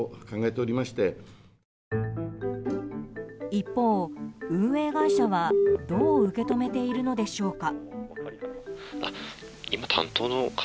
一方、運営会社はどう受け止めているのでしょうか。